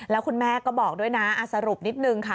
แล้วคุณแม่ก็บอกด้วยนะสรุปนิดนึงค่ะ